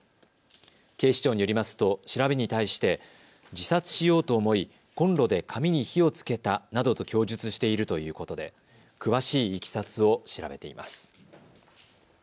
警視庁によりますと調べに対して自殺しようと思いコンロで紙に火をつけたなどと供述しているということで詳しいいきさつを調べています。